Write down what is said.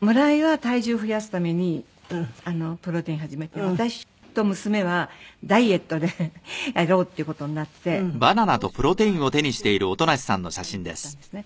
村井は体重増やすためにプロテイン始めて私と娘はダイエットでやろうっていう事になって朝食はプロテインに変えていったんですね。